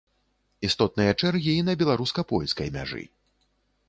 Істотныя чэргі і на беларуска-польскай мяжы.